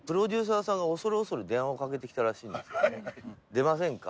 「出ませんか？」